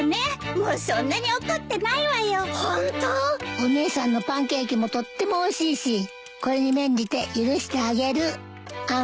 お姉さんのパンケーキもとってもおいしいしこれに免じて許してあげる！